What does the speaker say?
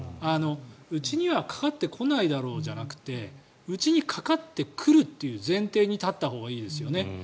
うちにはかかってこないだろうじゃなくてうちにかかってくるという前提に立ったほうがいいですよね。